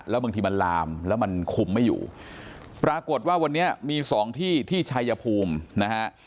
แล้วบางทีมันลามแล้วมันคุมไม่อยู่ปรากฏว่าวันนี้มีสองที่ที่ชายภูมินะฮะ